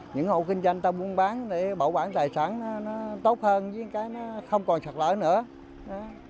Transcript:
những hộ kinh doanh ta buôn bán để bảo quản tài sản nó tốt hơn với cái nó không còn sạt lỡ nữa